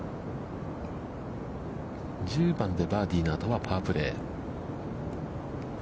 １０番でバーディーのあとはパープレー。